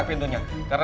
kami harus segera